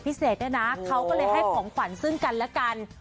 เขาก็เลยให้ของขวัญซึ่งกันแล้วกัน